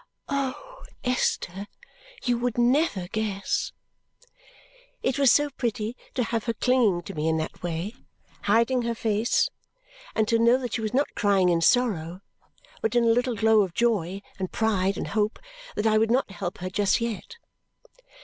"Oh, Esther, you would never guess!" It was so pretty to have her clinging to me in that way, hiding her face, and to know that she was not crying in sorrow but in a little glow of joy, and pride, and hope, that I would not help her just yet.